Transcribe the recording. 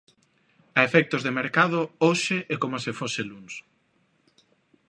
A efectos de mercado hoxe é coma se fose luns.